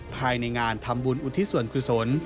ภายในงานทำบุญอุทิศวรคุยสน